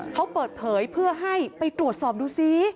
เขาเปิดเผยเพื่อให้ไปตรวจสอบดูซิ